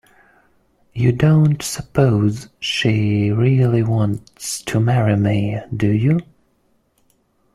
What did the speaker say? You don't suppose she really wants to marry me, do you?